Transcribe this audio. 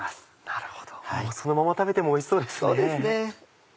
なるほどそのまま食べてもおいしそうですよね。